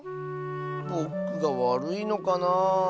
ぼくがわるいのかなあ。